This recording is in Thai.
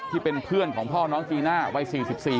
ที่เป็นเพื่อนของพ่อน้องจีน่าวัย๔๔